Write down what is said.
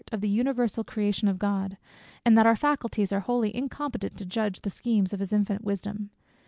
of the universal creation of God, and that our faculties are wholly incompetent to judge of the schemes of his infinite wisdom.